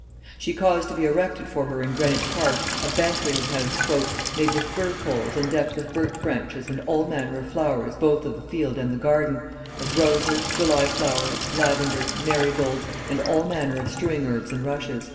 She caused to be erected for her in Greenwich park a banqueting house "made with fir poles and decked with birch branches and all manner of flowers both of the field and the garden, as roses, julyflowers, lavender, marygolds, and all manner of strewing herbs and rushes."